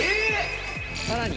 さらに！